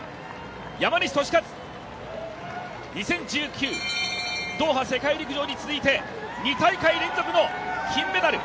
山西利和、２０１９ドーハ世界陸上に続いて２大会連続の金メダル！